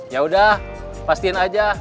yaudah pastiin aja